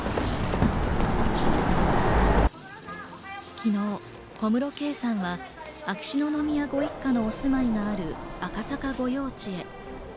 昨日、小室圭さんは秋篠宮ご一家のお住まいがある赤坂御用地へ。